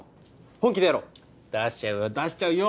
本気でやろう出しちゃうよ出しちゃうよ